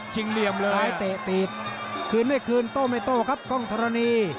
เหลี่ยมเลยเตะตีดคืนไม่คืนโต้ไม่โต้ครับกล้องธรณี